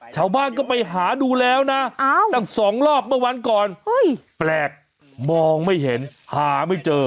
ชาวบ้านก็ไปหาดูแล้วนะตั้ง๒รอบเมื่อวันก่อนแปลกมองไม่เห็นหาไม่เจอ